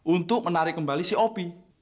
untuk menarik kembali si op